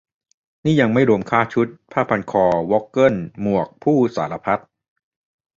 นี่ยังไม่รวมค่าชุด ผ้าพันคอ วอกเกิล หมวก พู่ สารพัด